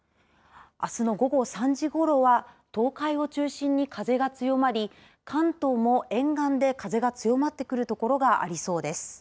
あすの午後３時ごろは東海を中心に風が強まり関東も沿岸で風が強まってくる所がありそうです。